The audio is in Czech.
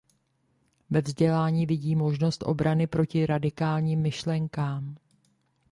Ve vzdělání vidí možnost obrany proti radikálním myšlenkám.